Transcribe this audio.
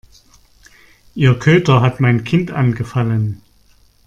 Ihr Köter hat mein Kind angefallen.